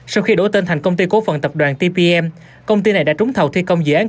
sau khi đổi tên thành công ty cố phần tập đoàn tbm công ty này đã trúng thầu thi công dự án